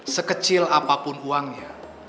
sekecil apapun uangnya